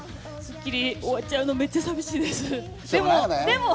『スッキリ』終わっちゃうの、メッチャ寂しいです。